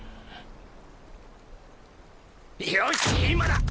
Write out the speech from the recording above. よし今だ！